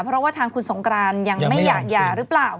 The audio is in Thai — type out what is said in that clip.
เพราะว่าทางคุณสงกรานยังไม่อยากหย่าหรือเปล่า